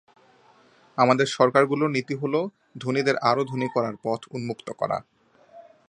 আমাদের সরকারগুলোর নীতি হলো, ধনীদের আরও ধনী করার পথ উন্মুক্ত করা।